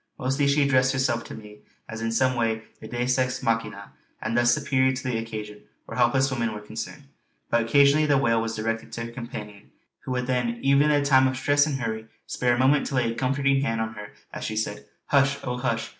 Mostly she addressed herself to me, as in some way the deus ex machina and thus superior to the occasion where helpless women were concerned; but occasionally the wail was directed to her companion, who would then, even in that time of stress and hurry, spare a moment to lay a comforting hand on her as she said: "Hush! oh hush!